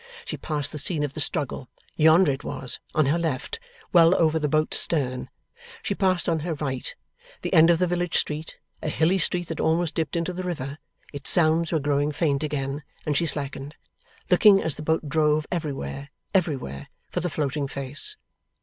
She passed the scene of the struggle yonder it was, on her left, well over the boat's stern she passed on her right, the end of the village street, a hilly street that almost dipped into the river; its sounds were growing faint again, and she slackened; looking as the boat drove, everywhere, everywhere, for the floating face.